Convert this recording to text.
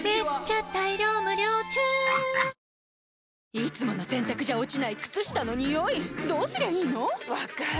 いつもの洗たくじゃ落ちない靴下のニオイどうすりゃいいの⁉分かる。